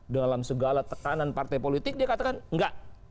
dalam segala tekanan partai politik dia katakan enggak